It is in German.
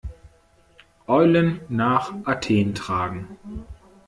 Eulen nach Athen tragen.